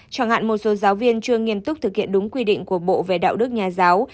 chẳng hạn một số giáo viên chưa nghiêm túc thực hiện đúng quy định của bộ về đạo đức nhà giáo